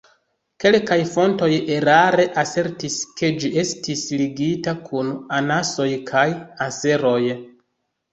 Kelkaj fontoj erare asertis, ke ĝi estis ligita kun anasoj kaj anseroj.